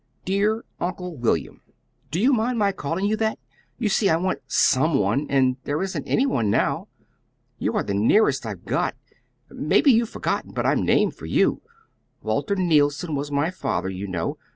"DEAR UNCLE WILLIAM: Do you mind my calling you that? You see I want SOME one, and there isn't any one now. You are the nearest I've got. Maybe you've forgotten, but I'm named for you. Walter Neilson was my father, you know.